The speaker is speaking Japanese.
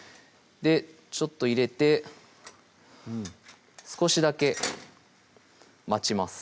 ちょっと入れて少しだけ待ちます